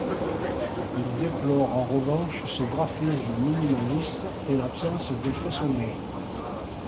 Il déplore en revanche ses graphismes minimalistes et l’absence d’effet sonore.